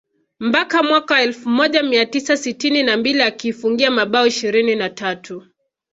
mpaka mwaka elfu moja mia tisa sitini na mbili akiifungia mabao ishirini na tatu